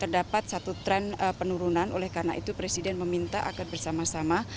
terdapat satu tren penurunan oleh karena itu presiden meminta agar bersama sama